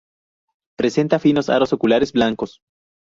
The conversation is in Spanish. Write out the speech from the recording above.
Presenta finos aros oculares blancos.